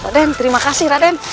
raden terima kasih raden